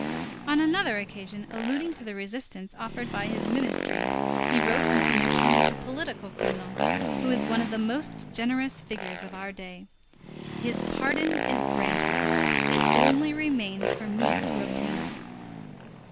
On another occasion, alluding to the resistance offered by his ministry, he wrote in connection with a political criminal, who is one of the most generous figures of our day: "His pardon is granted; it only remains for me to obtain it."